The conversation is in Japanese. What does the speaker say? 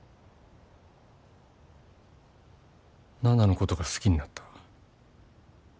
奈々のことが好きになった。